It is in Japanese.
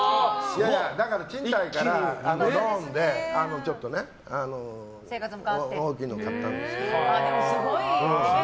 賃貸からローンで大きいのを買ったんですけど。